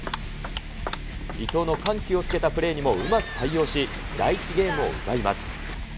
伊藤の緩急をつけたプレーにもうまく対応し、第１ゲームを奪います。